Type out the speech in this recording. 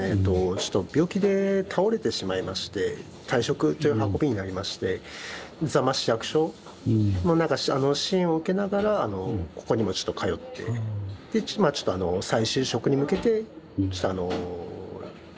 ちょっと病気で倒れてしまいまして退職っていう運びになりまして座間市役所の支援を受けながらここにもちょっと通ってちょっと再就職に向けてちょっとあの探しているという状態ですね。